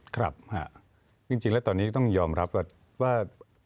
ครับจริงแล้วตอนนี้ก็ต้องยอมรับว่า